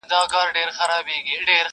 پر منبر یې نن ویله چي غلام به وي مختوری -